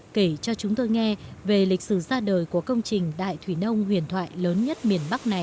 kể cho chúng tôi nghe về lịch sử ra đời của công trình đại thủy nông huyền thoại lớn nhất miền bắc này